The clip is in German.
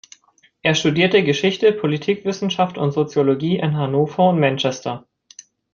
Er studierte Geschichte, Politikwissenschaft und Soziologie in Hannover und Manchester.